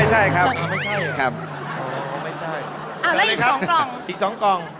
อ่าอะไรครับอีก๒กล่อง